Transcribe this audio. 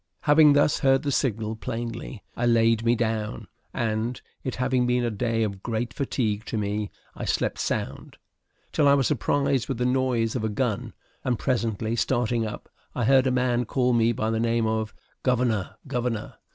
Having thus heard the signal plainly, I laid me down; and, it having been a day of great fatigue to me, I slept sound, till I was surprised with the noise of a gun; and presently starting up, I heard a man call me by the name of "Governor! Governor!"